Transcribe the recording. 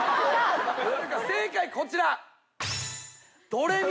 正解こちら。